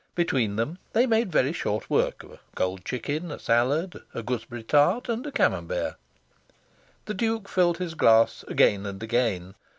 Between them, they made very short work of a cold chicken, a salad, a gooseberry tart and a Camembert. The Duke filled his glass again and again.